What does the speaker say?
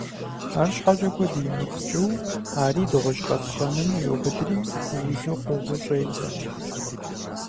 АрщхьэкӀэ, куэд имыкӀуу ари дыгъужь къапхъэным еубыдри гуузу къугъыу щӀедзэ.